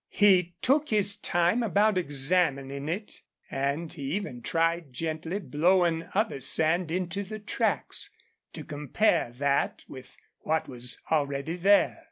He took his time about examining it, and he even tried gently blowing other sand into the tracks, to compare that with what was already there.